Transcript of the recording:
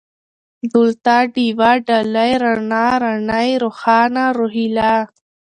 دولته ، ډېوه ، ډالۍ ، رڼا ، راڼۍ ، روښانه ، روهيله